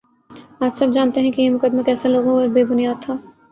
آج سب جانتے ہیں کہ یہ مقدمہ کیسا لغو اور بے بنیادتھا